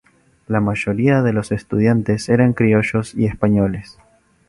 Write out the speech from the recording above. La mayoría de los estudiantes eran criollos y españoles.